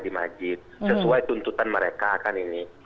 di masjid sesuai tuntutan mereka kan ini